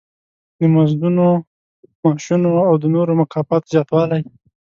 د مزدونو، معاشونو او د نورو مکافاتو زیاتوالی.